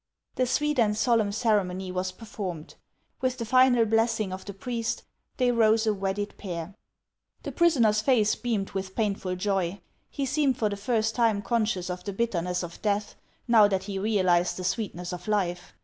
The sweet and solemn ceremony was performed. With the final blessing of the priest, they rose a wedded pair. HANS OF ICELAND. 469 The prisoner's face beamed with painful joy ; he seemed for the first time conscious of the bitterness of death, now that he realized the sweetness of life.